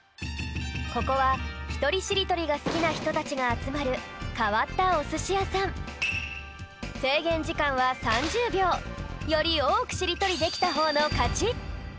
ここはひとりしりとりがすきなひとたちがあつまるかわったおすしやさんよりおおくしりとりできたほうのかち！